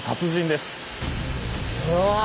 うわ